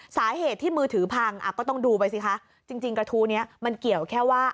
สาเหตุที่มือถือพังอ่ะก็ต้องดูไปสิคะจริงจริงกระทู้เนี้ยมันเกี่ยวแค่ว่า